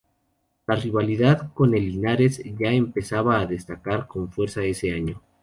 La rivalidad con el Linares ya empezaba a destacar con fuerza ese año.